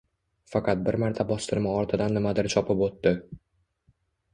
Faqat bir marta bostirma ortidan nimadir chopib oʻtdi